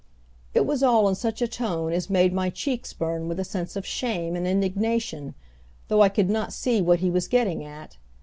It was all in such a tone as made my cheeks burn with a sense of shame and indignation, though I could not see what he was getting at.